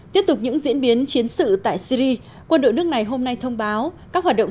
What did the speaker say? tiếp tục những diễn biến chiến sự tại syri quân đội nước này hôm nay thông báo các hoạt động